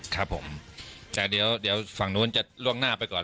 ครับผมแต่เดี๋ยวฝั่งนู้นจะล่วงหน้าไปก่อน